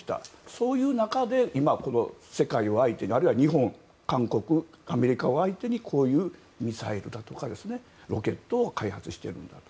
そういう中で、今、世界を相手にあるいは日本、韓国アメリカを相手にこういうミサイルだとかロケットを開発していると。